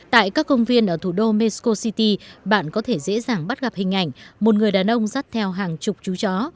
tại các công viên ở thủ đô mexico city bạn có thể dễ dàng bắt gặp hình ảnh một người đàn ông dắt theo hàng chục chú chó